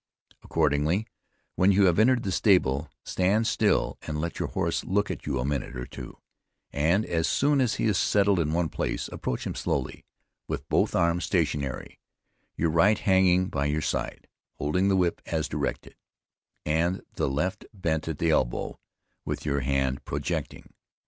Accordingly, when you have entered the stable, stand still and let your horse look at you a minute or two, and as soon as he is settled in one place, approach him slowly, with both arms stationary, your right hanging by your side, holding the whip as directed, and the left bent at the elbow, with your hand projecting.